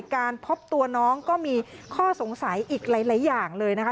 การพบตัวน้องก็มีข้อสงสัยอีกหลายอย่างเลยนะคะ